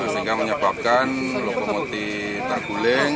sehingga menyebabkan lokomotif terguling